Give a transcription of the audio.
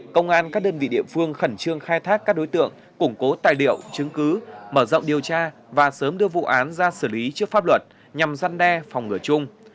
công an các đơn vị địa phương khẩn trương khai thác các đối tượng củng cố tài liệu chứng cứ mở rộng điều tra và sớm đưa vụ án ra xử lý trước pháp luật nhằm gian đe phòng ngừa chung